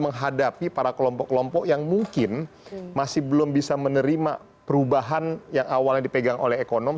menghadapi para kelompok kelompok yang mungkin masih belum bisa menerima perubahan yang awalnya dipegang oleh ekonom